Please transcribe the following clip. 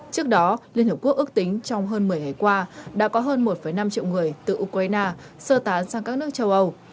trước đó liên hợp quốc ước tính trong hơn một mươi ngày qua đã có hơn một năm triệu người từ ukraine sơ tán sang các nước châu âu